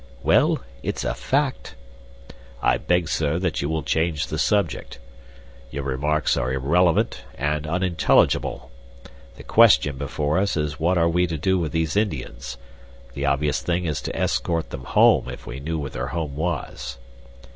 "Well, it's a fact." "I beg, sir, that you will change the subject. Your remarks are irrelevant and unintelligible. The question before us is what are we to do with these Indians? The obvious thing is to escort them home, if we knew where their home was."